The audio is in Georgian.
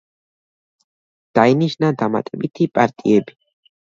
დაინიშნა დამატებითი პარტიები.